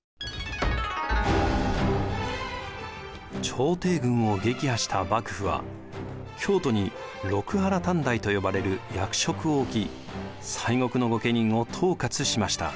朝廷軍を撃破した幕府は京都に六波羅探題と呼ばれる役職を置き西国の御家人を統括しました。